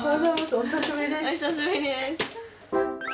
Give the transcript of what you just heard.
お久しぶりです。